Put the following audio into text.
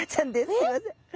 すいません。